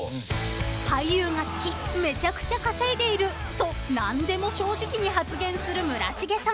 ［「俳優が好き」「めちゃくちゃ稼いでいる」と何でも正直に発言する村重さん］